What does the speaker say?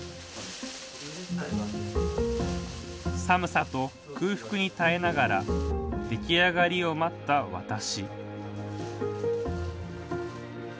寒さと空腹に耐えながら出来上がりを待った私。